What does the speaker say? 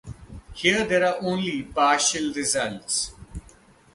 Here there are only partial results.